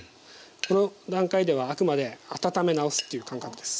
この段階ではあくまで温め直すという感覚です。